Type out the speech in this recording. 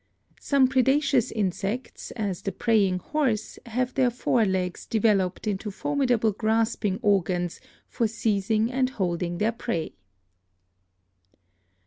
Some predaceous insects, as the praying horse, have their fore legs developed into formidable grasping organs for seizing and holding their prey.